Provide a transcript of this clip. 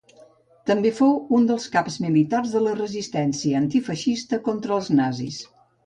També Fou un dels caps militars de la resistència antifeixista contra els nazis.